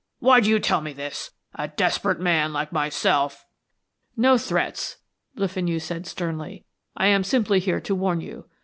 Why do you tell me this? A desperate man like myself " "No threats," Le Fenu said, sternly. "I am simply here to warn you.